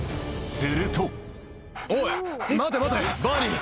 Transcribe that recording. するとおい待て待てバーニー。